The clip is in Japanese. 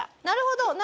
「なるほど。